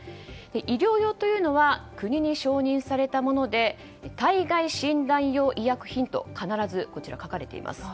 医療用というのは国に承認されたもので体外診断用医薬品と必ず書かれています。